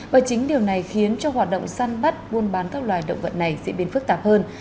và chính điều này khiến cho hoạt động săn bắt buôn bán các loài động vật này diễn biến phức tạp hơn